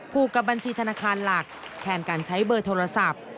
ผูกกับบัญชีธนาคารหลักแทนการใช้เบอร์โทรศัพท์